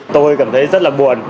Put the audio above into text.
tôi cảm thấy rất là buồn